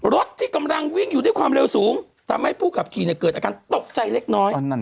รถที่กำลังวิ่งอยู่ด้วยความเร็วสูงทำให้ผู้ขับขี่เกิดอาการตกใจเล็กน้อย